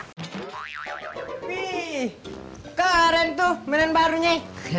wih keren tuh medan barunya